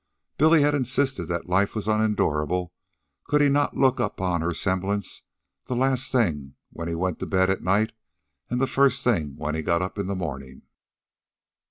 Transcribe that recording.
Billy had insisted that life was unendurable could he not look upon her semblance the last thing when he went to bed at night and the first thing when he got up in the morning.